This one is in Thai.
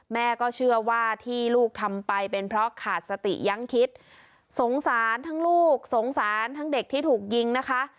แม่ก็เชื่อว่าที่ลูกทำไปเป็นเพราะขาดสติยังคิดสงสารทั้งลูกสงสารทั้งเด็กที่ถูกยิงนะคะ